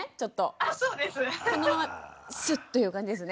このままスッていう感じですね。